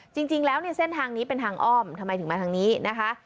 จริงแล้วเนี่ยเส้นทางนี้เป็นทางอ้อมทำไมถึงมาทางนี้นะคะ